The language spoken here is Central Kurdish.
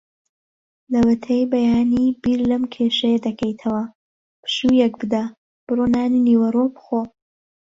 لەوەتەی بەیانی بیر لەم کێشەیە دەکەیتەوە. پشوویەک بدە؛ بڕۆ نانی نیوەڕۆ بخۆ.